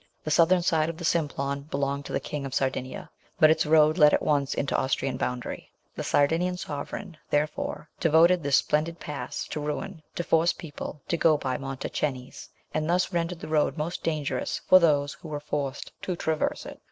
The southern side of the Simplon belonged to the King of Sardinia, but its road led at once into Austrian boundary. The Sardinian sovereign, therefore, devoted this splendid pass to ruin to force people to go by Mont Cenis, and thus rendered the road most dangerous for those who were forced to traverse it.